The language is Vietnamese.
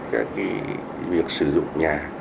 các cái việc sử dụng nhà